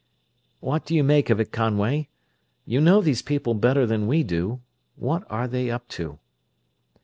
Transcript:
"What do you make of it, Conway? You know these people better than we do; what are they up to?"